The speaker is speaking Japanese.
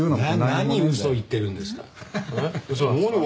何笑ってるんですか。